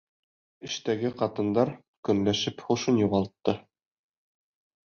Эштәге ҡатындар көнләшеп һушын юғалтты.